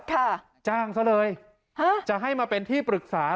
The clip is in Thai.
จ้างซะเลยฮะจะให้มาเป็นที่ปรึกษา